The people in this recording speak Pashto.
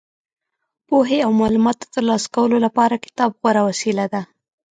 پوهې او معلوماتو ترلاسه کولو لپاره کتاب غوره وسیله ده.